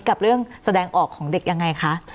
กับเรื่องแสดงออกของเด็กยังไงคะ